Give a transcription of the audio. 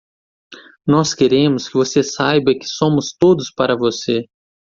Nós queremos que você saiba que somos todos para você.